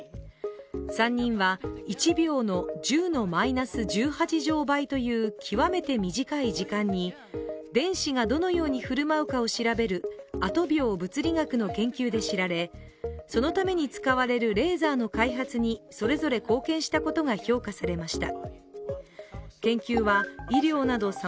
３人は、１秒の１０のマイナス１８乗倍という極めて短い時間に電子がどのように振る舞うかを調べるアト秒物理学の研究で知られ、そのために使われるレーザーの開発にそれぞれ貢献したことが評価されました。